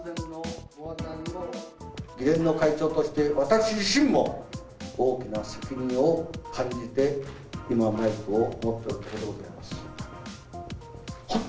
議連の会長として、私自身も多くの責任を感じて、このマイクを持っているところでございます。